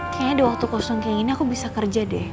kayaknya di waktu kosong kayak gini aku bisa kerja deh